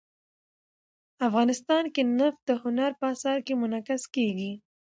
افغانستان کې نفت د هنر په اثار کې منعکس کېږي.